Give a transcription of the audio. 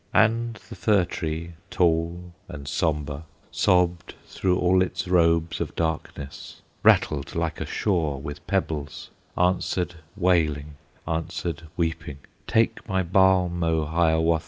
And the Fir tree, tall and sombre, Sobbed through all its robes of darkness, Rattled like a shore with pebbles, Answered wailing, answered weeping, "Take my balm, O Hiawatha!"